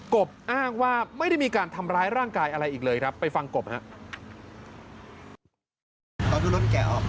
บอ้างว่าไม่ได้มีการทำร้ายร่างกายอะไรอีกเลยครับไปฟังกบครับ